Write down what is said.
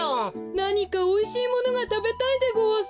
なにかおいしいものがたべたいでごわす。